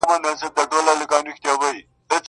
په موږ کي بند دی~